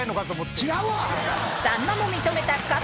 違うわ！